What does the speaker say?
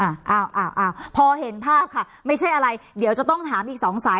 อ้าวอ่าอ่าพอเห็นภาพค่ะไม่ใช่อะไรเดี๋ยวจะต้องถามอีกสองสาย